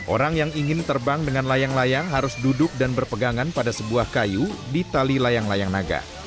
orang yang ingin terbang dengan layang layang harus duduk dan berpegangan pada sebuah kayu di tali layang layang naga